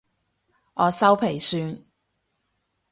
我修皮算